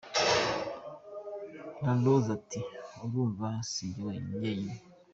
LaRose ati « Urumva si njye njyenyine.